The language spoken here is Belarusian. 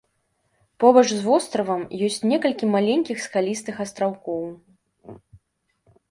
Побач з востравам ёсць некалькі маленькіх скалістых астраўкоў.